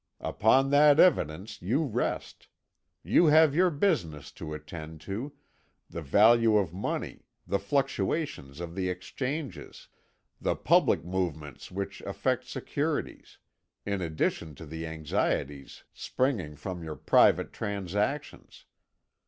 Upon that evidence you rest; you have your business to attend to the value of money, the fluctuations of the Exchanges, the public movements which affect securities, in addition to the anxieties springing from your private transactions.